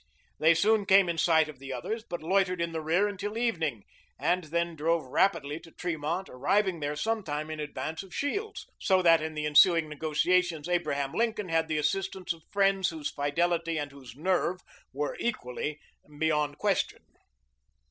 They soon came in sight of the others, but loitered in the rear until evening, and then drove rapidly to Tremont, arriving there some time in advance of Shields; so that in the ensuing negotiations Abraham Lincoln had the assistance of friends whose fidelity and whose nerve were equally beyond question.